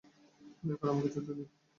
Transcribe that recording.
দয়া করে আমাকে যেতে দিন।